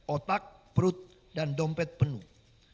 otak perut dan dompet penuh